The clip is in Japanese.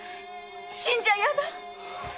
死んじゃやだ！